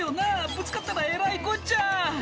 「ぶつかったらえらいこっちゃ」